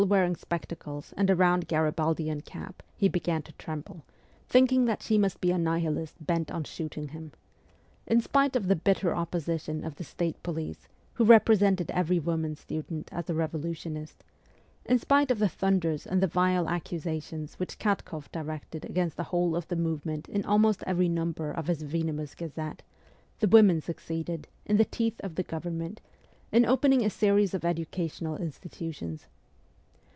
PETERSBURG 43 wearing spectacles and a round Garibaldian cap he began to tremble, thinking that she must be a Nihilist bent on shooting him in spite of the bitter opposition of the State police, who represented every woman student as a revolutionist ; in spite of the thunders and the vile accusations which Katkoff directed against the whole of the movement in almost every number of his venomous gazette, the women succeeded, in the teeth of the Government, in opening a series of educa tional institutions.